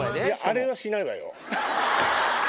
あれはしないわよ。